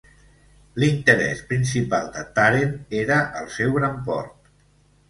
L'interès principal de Tàrent era el seu gran port.